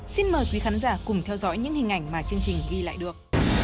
xin mời quý khán giả cùng theo dõi những hình ảnh mà chương trình ghi lại được